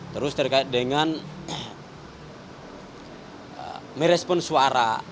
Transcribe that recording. terus terkait dengan merespon suara